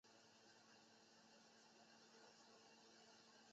很快又获授陆军中校衔。